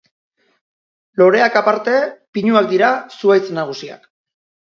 Loreak aparte pinuak dira zuhaitz nagusiak.